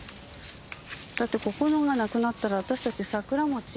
だってここのがなくなったら私たちさくらもち。